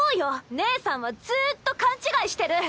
姉さんはずっと勘違いしてる！